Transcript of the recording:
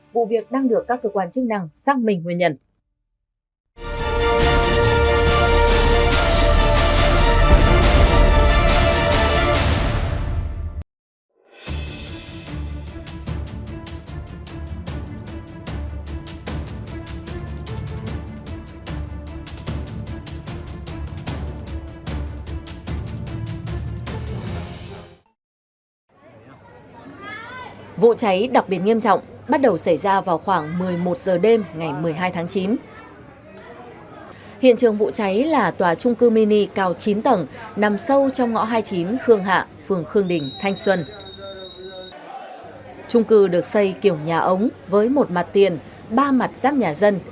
vụ việc đang được các cơ quan chức năng xác minh nguyên nhận